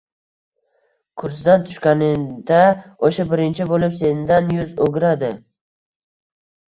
kursidan tushganingda o’sha birinchi bo’lib sendan yuz o’giradi!